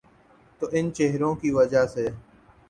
تو ان چہروں کی وجہ سے۔